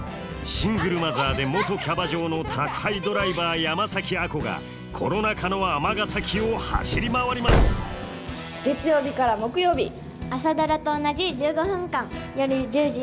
シングルマザーで元キャバ嬢の宅配ドライバー山崎亜子がコロナ禍の尼崎を走り回ります「朝ドラ」と同じ１５分間。